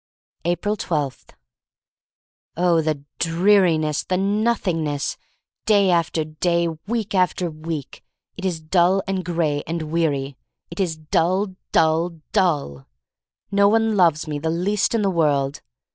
Hptfl 12. OH, THE dreariness, the Nothing ness! Day after day — week after week, — it is dull and gray and weary. It is dully DULL, DULL! No one loves me the least in the world.